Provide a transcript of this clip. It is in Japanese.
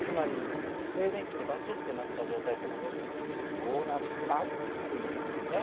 そうなったという事だよね。